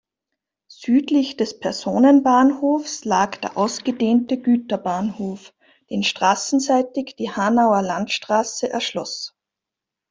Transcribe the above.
Südlich des Personenbahnhofs lag der ausgedehnte Güterbahnhof, den straßenseitig die Hanauer Landstraße erschloss.